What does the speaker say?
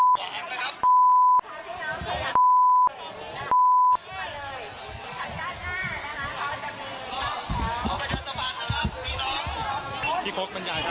ตำรวจเกิดขึ้นไว้อย่างไรนะฮะ